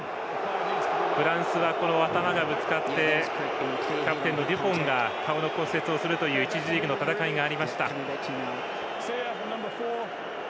フランスは頭がぶつかってキャプテンのデュポンが顔の骨折をするという１次リーグの戦いがありました。